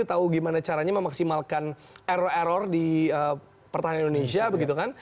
tahu gimana caranya memaksimalkan error error di pertahanan indonesia begitu kan